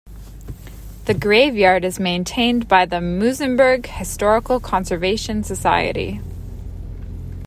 The graveyard is maintained by the Muizenberg Historical Conservation Society.